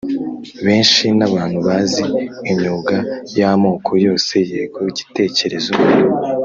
benshi n abantu bazi imyuga y amoko yose Yego igitekerezo